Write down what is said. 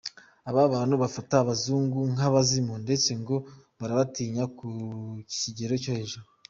Aba bantu bafata abazungu nk’abazimu ndetse ngo barabatinya ku kigero cyo hejuru.